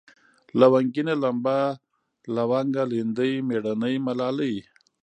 لونگينه ، لمبه ، لونگه ، ليندۍ ، مېړنۍ ، ملالۍ